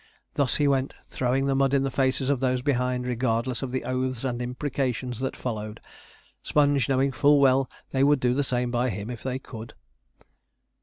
Thus he went, throwing the mud in the faces of those behind, regardless of the oaths and imprecations that followed; Sponge knowing full well they would do the same by him if they could.